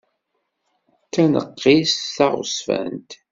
D taneqqist taɣezzfant.